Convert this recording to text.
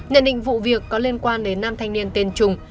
nhận định vụ việc có liên quan đến nam thanh niên tên trung